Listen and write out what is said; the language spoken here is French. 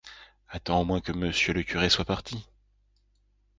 Attends au moins que monsieur le curé soit parti.